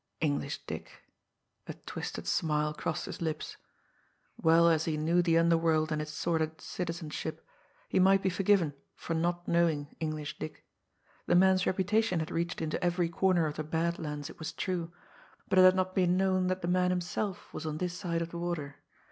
English Dick! A twisted smile crossed his lips. Well as he knew the underworld and its sordid citizenship, he might be forgiven for not knowing English Dick. The man's reputation had reached into every corner of the Bad Lands, it was true; but it had not been known that the man himself was on this side of the water.